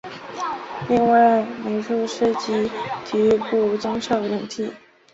另外美术室及体育部增设冷气。